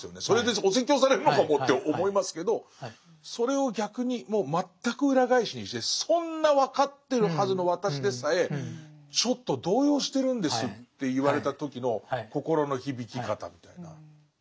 それでお説教されるのかもって思いますけどそれを逆にもう全く裏返しにしてそんな分かってるはずの私でさえちょっと動揺してるんですって言われた時の心の響き方みたいな。